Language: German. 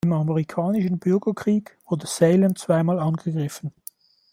Im Amerikanischen Bürgerkrieg wurde Salem zweimal angegriffen.